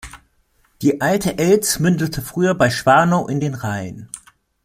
Die Alte Elz mündete früher bei Schwanau in den Rhein.